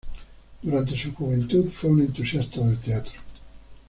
Durante su juventud, fue un entusiasta del teatro.